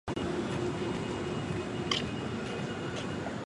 制造淀粉是绿色植物贮存能量的一种方式。